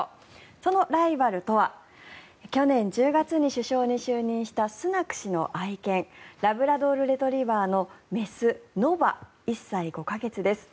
そのライバルとは去年１０月に首相に就任したスナク氏の愛犬ラブラドルレトリバーの雌ノヴァ、１歳５か月です。